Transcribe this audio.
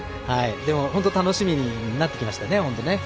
でも、本当に楽しみになってきました。